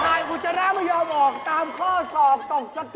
อุจจาระไม่ยอมออกตามข้อศอกตกสกอร์